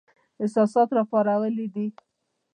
احساسات را پارېدلي دي.